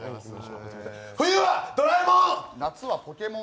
冬はドラえもん！